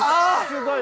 すごい！